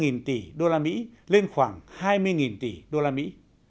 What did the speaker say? từ gần ba tỷ đô la mỹ lên khoảng hai mươi tỷ đô la mỹ